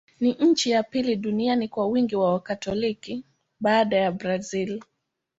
Ni nchi ya pili duniani kwa wingi wa Wakatoliki, baada ya Brazil.